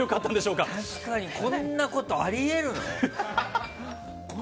確かにこんなことあり得るの？